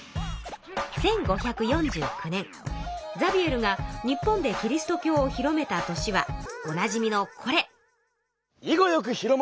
１５４９年ザビエルが日本でキリスト教を広めた年はおなじみのこれ。